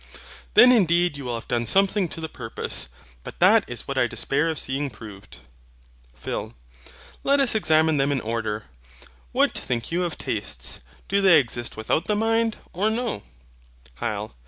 Then indeed you will have done something to the purpose; but that is what I despair of seeing proved. PHIL. Let us examine them in order. What think you of TASTES, do they exist without the mind, or no? HYL.